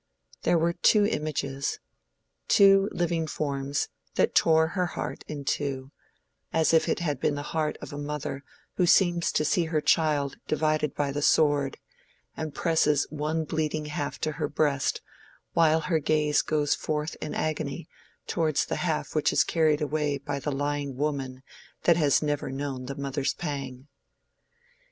There were two images—two living forms that tore her heart in two, as if it had been the heart of a mother who seems to see her child divided by the sword, and presses one bleeding half to her breast while her gaze goes forth in agony towards the half which is carried away by the lying woman that has never known the mother's pang.